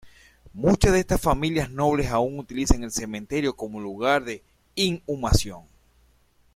Muchas de estas familias nobles aún utilizan el cementerio como lugar de inhumación.